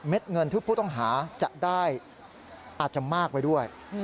เงินที่ผู้ต้องหาจะได้อาจจะมากไปด้วย